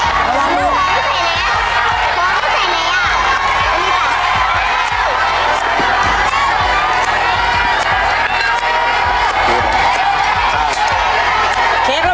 เวลา๓นาทีนะครับ